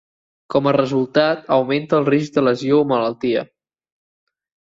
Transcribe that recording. Com a resultat, augmenta el risc de lesió o malaltia.